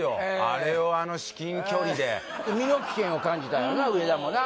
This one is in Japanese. あれをあの至近距離で身の危険を感じたんやな